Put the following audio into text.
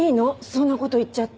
そんな事言っちゃって。